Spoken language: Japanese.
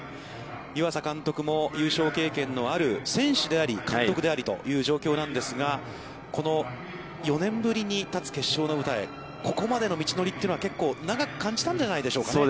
湯浅監督も優勝経験のある選手であり、監督でありという状況なんですが、この４年ぶりに立つ決勝の舞台、ここまでの道のりというのは結構長く感じたんじゃないでしょうか。